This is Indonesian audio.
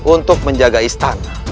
untuk menjaga istana